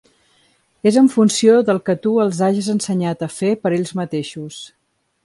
És en funció del que tu els hages ensenyat a fer per ells mateixos.